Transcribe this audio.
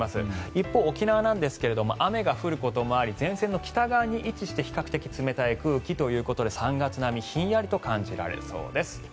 一方、沖縄ですが雨が降ることもあり前線の北側に位置して比較的冷たい空気ということで３月並みひんやりと感じられそうです。